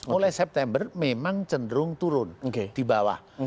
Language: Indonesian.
mulai september memang cenderung turun di bawah